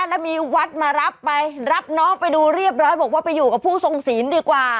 แล้วมีวัดมารับไปรับน้องไปดูเรียบร้อยบอกว่าไปอยู่กับผู้ทรงศีลดีกว่า